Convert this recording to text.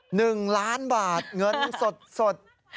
หนึ่งล้านบาทเงินสดสด